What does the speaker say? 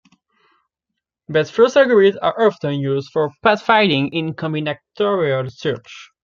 Best-first algorithms are often used for path finding in combinatorial search.